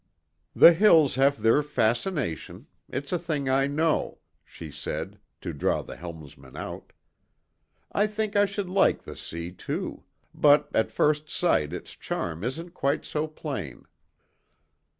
"The hills have their fascination; it's a thing I know," she said, to draw the helmsman out. "I think I should like the sea, too; but at first sight its charm isn't quite so plain."